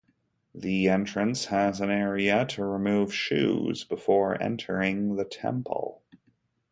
The entrance has an area to remove shoes before entering the temple.